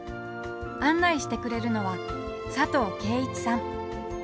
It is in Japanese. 案内してくれるのは佐藤圭一さん。